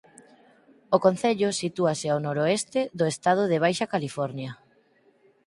O concello sitúase ao noroeste do estado de Baixa California.